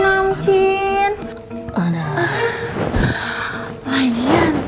ini moral dari dwi